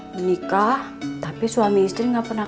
menikah tapi suami istri nggak pernah